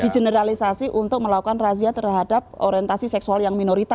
dijeneralisasi untuk melakukan razia terhadap orientasi seksual yang minoritas